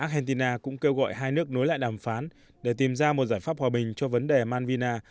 hentina cũng kêu gọi hai nước nối lại đàm phán để tìm ra một giải pháp hòa bình cho vấn đề manvina